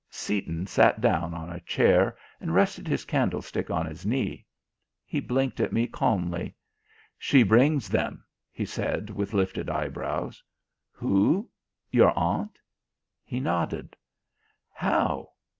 Seaton sat down on a chair and rested his candlestick on his knee. He blinked at me calmly. "She brings them," he said, with lifted eyebrows. "Who? Your aunt?" He nodded. "How?"